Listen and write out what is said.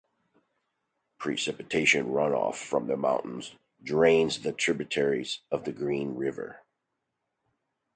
Precipitation runoff from the mountain drains into tributaries of the Green River.